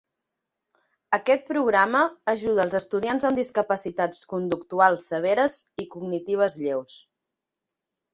Aquest programa ajuda els estudiants amb discapacitats conductuals severes i cognitives lleus.